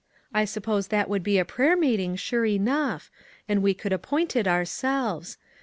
I suppose that would be a prayer meeting, sure enough ; and we could appoint it ourselves.